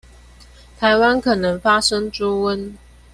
臺灣可能發生豬瘟